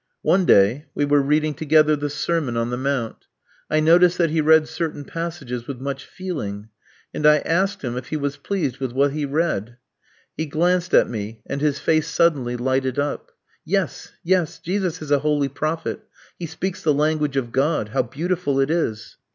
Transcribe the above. One day we were reading together the Sermon on the Mount. I noticed that he read certain passages with much feeling; and I asked him if he was pleased with what he read. He glanced at me, and his face suddenly lighted up. "Yes, yes, Jesus is a holy prophet. He speaks the language of God. How beautiful it is!"